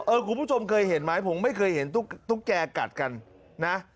คุณผู้ชมเคยเห็นไหมผมไม่เคยเห็นตุ๊กแก่กัดกันนะ